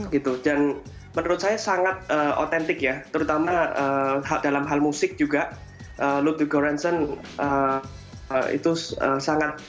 gitu dan menurut saya sangat otentik ya terutama dalam hal musik juga lood the guaranzon itu sangat